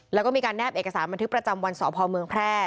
แล้วก็มีการแนบเอกสารบันทึกประจำวันสพเมืองแพร่